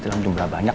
dalam jumlah banyak